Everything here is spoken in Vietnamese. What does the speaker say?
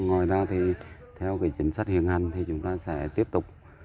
ngoài ra thì theo chính sách hiện hành chúng ta sẽ tiếp tục